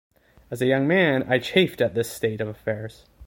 As a young man, I chafed at this state of affairs.